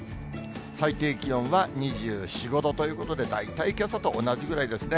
最低気温は２４、５度ということで、大体けさと同じぐらいですね。